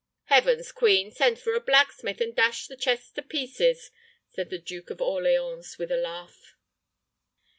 "Heaven's queen, send for a blacksmith, and dash the chests to pieces," said the Duke of Orleans, with a laugh.